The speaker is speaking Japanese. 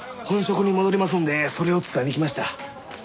本職に戻りますんでそれを伝えに来ました。